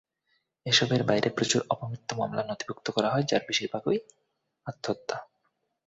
এসবের বাইরে প্রচুর অপমৃত্যু মামলা নথিভুক্ত করা হয়, বেশির ভাগই আত্মহত্যা।